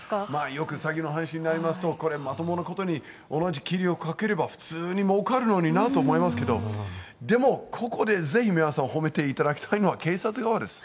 よく詐欺の話になりますと、これ、まともなことに、同じ気力をかければ普通にもうかるのになと思いますけど、でもここでぜひ皆さん、褒めていただきたいのは、警察側です。